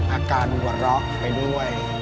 อาการหวะร้องไปด้วย